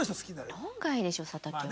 論外でしょ佐竹は。